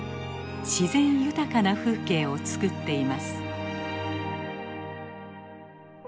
自然豊かな風景をつくっています。